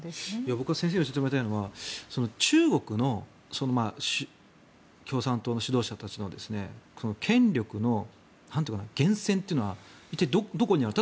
僕が先生に教えてもらいたいのは中国の共産党の指導者たちの権力の源泉というのは一体どこにあるのか。